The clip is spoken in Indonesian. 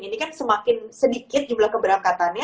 ini kan semakin sedikit jumlah keberangkatannya